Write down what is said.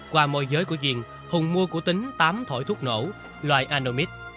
qua môi giới của duyên hùng mua của tính tám thổi thuốc nổ loài anomite